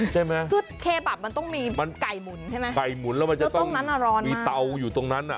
ใช่ไหมคือเคบับมันต้องมีมันไก่หมุนใช่ไหมไก่หมุนแล้วมันจะต้องตรงนั้นอ่ะร้อนมีเตาอยู่ตรงนั้นอ่ะ